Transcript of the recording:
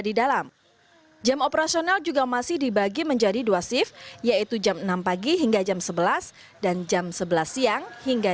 di dalam jam operasional juga masih dibagi menjadi dua shift yaitu enam hingga sebelas dan sebelas hingga